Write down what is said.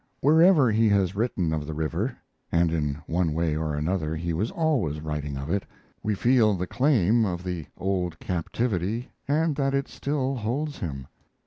Wherever he has written of the river and in one way or another he was always writing of it we feel the claim of the old captivity and that it still holds him.